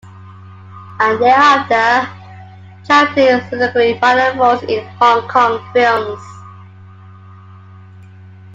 And thereafter Chan played subsequently minor roles in Hong Kong films.